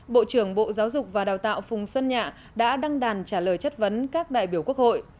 bộ trưởng bộ giáo dục và đào tạo phùng xuân nhạ đã đăng đàn trả lời chất vấn các đại biểu quốc hội